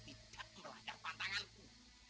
tidak melanggar pantanganku